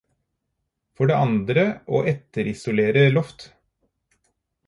For det andre å etterisolere loft.